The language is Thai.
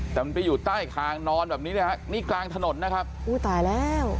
แต่มันไปอยู่ใต้คางนอนแบบนี้นะฮะนี่กลางถนนนะครับอุ้ยตายแล้ว